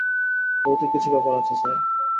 ভৌতিক কিছু ব্যাপার আছে স্যার।